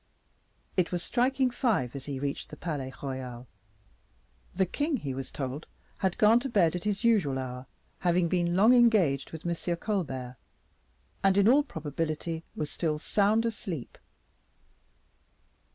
It was striking five as he reached the Palais Royal. The king, he was told, had gone to bed at his usual hour, having been long engaged with M. Colbert, and, in all probability, was still sound asleep.